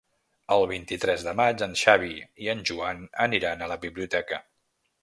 El vint-i-tres de maig en Xavi i en Joan aniran a la biblioteca.